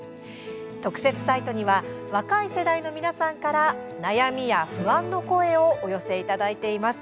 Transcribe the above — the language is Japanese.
特設サイトには若い世代の皆さんから悩みや不安の声をお寄せいただいています。